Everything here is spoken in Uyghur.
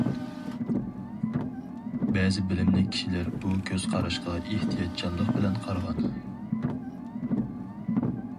بەزى بىلىملىك كىشىلەر بۇ كۆز قاراشقا ئېھتىياتچانلىق بىلەن قارىغان.